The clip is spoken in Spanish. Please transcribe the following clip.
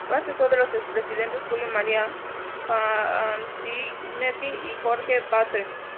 Fue asesor de los expresidentes Julio María Sanguinetti y Jorge Batlle.